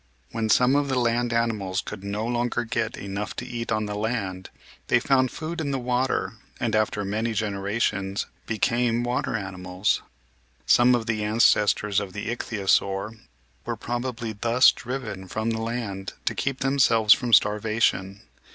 When some of the land ani mals could no longer get enough to eat on the land, they found food in the water and, after many generations, became water animals. Some of the ancestors of the Ichthyosaur were probably thus driven from the land to keep themselves from starvation.